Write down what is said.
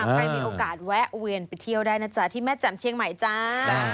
ใครมีโอกาสแวะเวียนไปเที่ยวได้นะจ๊ะที่แม่แจ่มเชียงใหม่จ้า